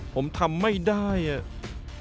ผมทำไม่ได้อ่ะ